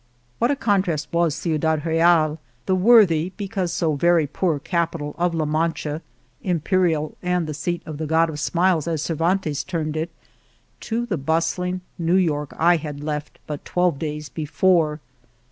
What a contrast was Ciudad Real, the worthy, because so very poor, capital of La Mancha •( Imperial and the Seat of the God of Smiles," as Cervantes termed it), to the bustling New York I had left but twelve days before.